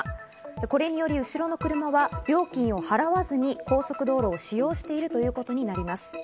これにより後ろの車は料金を払わずに高速道路を使用していることになります。